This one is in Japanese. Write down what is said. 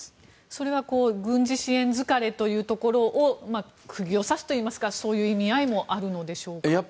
それは軍事支援疲れというところを釘を刺すといいますかそういう意味合いもあるのでしょうか？